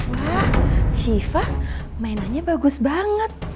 ma shifah mainannya bagus banget